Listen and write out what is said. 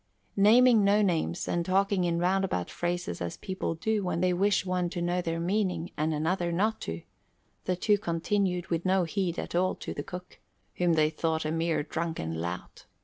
Naming no names and talking in roundabout phrases as people do when they wish one to know their meaning and another not to, the two continued with no heed at all to the cook, whom they thought a mere drunken lout.